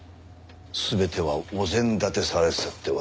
全てはお膳立てされてたってわけか。